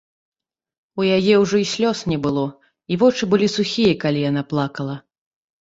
У яе ўжо і слёз не было, і вочы былі сухія, калі яна плакала.